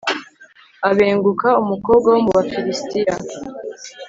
abenguka umukobwa wo mu bafilisiti